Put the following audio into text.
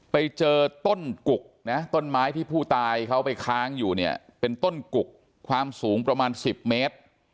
ไปเจอต้นกุกนะต้นไม้ที่ผู้ตายเขาไปค้างอยู่เนี่ยเป็นต้นกุกความสูงประมาณ๑๐เมตร